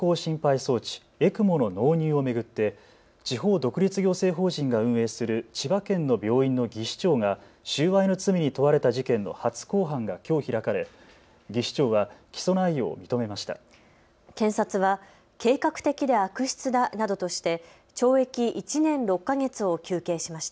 装置・ＥＣＭＯの納入を巡って地方独立行政邦人が運営する千葉県の病院の技士長が収賄の罪に問われた事件の初公判がきょう開かれ技士長は起訴内容を認めました。